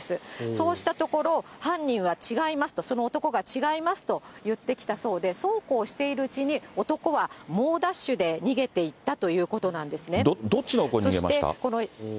そうしたところ、犯人は違いますと、その男が違いますと言ってきたそうで、そうこうしているうちに男は猛ダッシュで逃げていったということどっちのほうに逃げました？